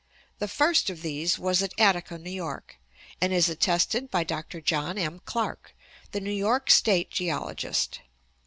The first of these was at Attica, New York, and is attested by Doctor John M. Clarke, the New York state geologist.